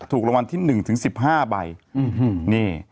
ถูกรวันที่๑ถึง๑๕ใบ